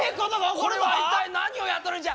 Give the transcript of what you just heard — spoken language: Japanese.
これは一体何をやっとるんじゃ？